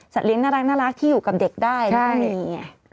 สัตว์เลี้ยงน่ารักน่ารักที่อยู่กับเด็กได้อย่างนี้